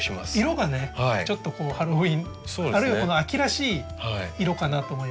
色がねちょっとハロウィーンあるいは秋らしい色かなと思いまして。